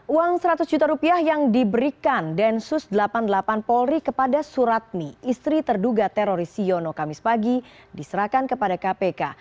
uang seratus juta rupiah yang diberikan densus delapan puluh delapan polri kepada suratni istri terduga teroris siono kamis pagi diserahkan kepada kpk